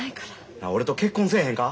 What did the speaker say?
なあ俺と結婚せえへんか？